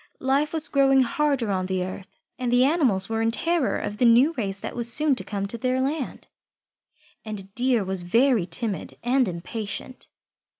Life was growing harder on the earth, and the animals were in terror of the new race that was soon to come to their land, and Deer was very timid and impatient.